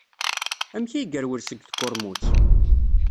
Amek ay yerwel seg tkurmut?